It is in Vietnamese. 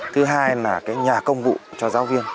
thứ hai là nhà công vụ cho giáo viên